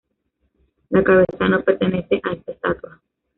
La cabeza no pertenece a esta estatua.